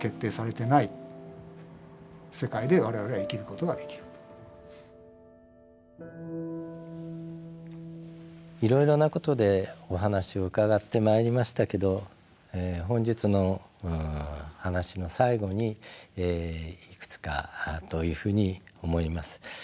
決定論は怖くないといいますかいろいろなことでお話を伺ってまいりましたけど本日の話の最後にいくつかというふうに思います。